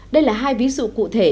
đây là hai ví dụ cụ thể